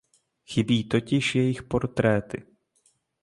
Chybí totiž jejich portréty.